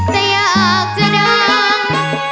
แต่อยากจะดัง